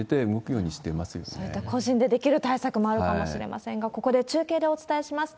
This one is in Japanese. そういった、個人でできる対策もあるかもしれませんが、ここで中継でお伝えします。